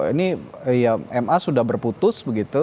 ini ma sudah berputus begitu